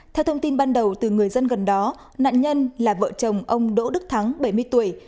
theo thông tin ban đầu từ người dân gần đó nạn nhân là vợ chồng ông đỗ đức thắng bảy mươi tuổi